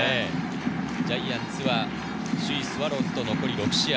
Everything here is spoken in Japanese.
ジャイアンツは首位スワローズと残り６試合。